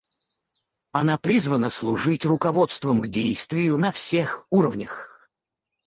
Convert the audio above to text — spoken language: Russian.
Она призвана служить руководством к действию на всех уровнях.